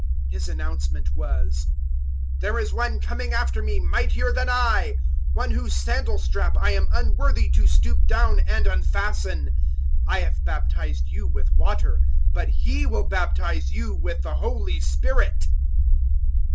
001:007 His announcement was, "There is One coming after me mightier than I One whose sandal strap I am unworthy to stoop down and unfasten. 001:008 I have baptized you with water, but He will baptize you with the Holy Spirit."